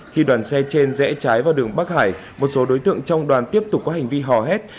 khi đoàn xe trên rẽ trái vào đường bắc hải một số đối tượng trong đoàn tiếp tục có hành vi hò hét